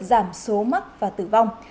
giảm số mắc và tử vong